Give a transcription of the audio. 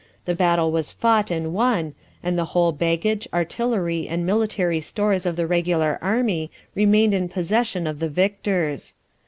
The battle was fought and won, and the whole baggage, artillery, and military stores of the regular army remained in possession of the victors.